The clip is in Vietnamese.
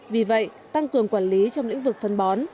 vì vậy tăng cường quản lý trong lĩnh vực phân bón